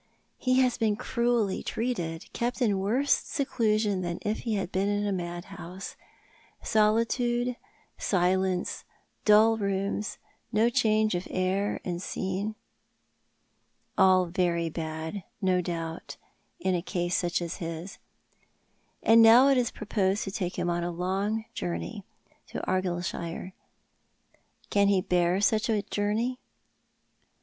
" He has been cruelly treated, kept in worse seclusion than if he had been in a madhouse — solitude, silence, dull rooms, no change of air and scene." " All very bad, no doubt, in such a case as his." " And now it is proj^osed to take him a long journey — to Argyllshire. Can he bear such a journey